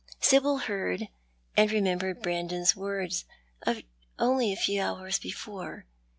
Sibyl heard and remembered Brandon's words of only a few hours before.